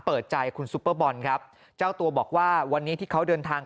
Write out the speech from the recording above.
เปิดใจคุณซุปเปอร์บอลครับเจ้าตัวบอกว่าวันนี้ที่เขาเดินทาง